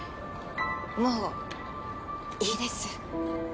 もういいです。